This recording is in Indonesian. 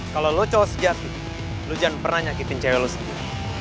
kalau lo cowok sejati lo jangan pernah nyakitin cewek lu sendiri